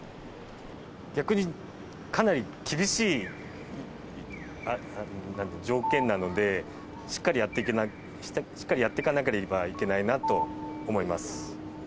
逆にかなり厳しい条件なので、しっかりやってかなければいけないなと思います。